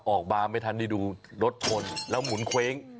ออกบาร์ไม่ทันดูรถมนต์แล้วหมุนเคว้ง